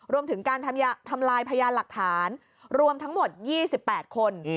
รวมถึงการทำลายพยานหลักฐานรวมทั้งหมด๒๘คน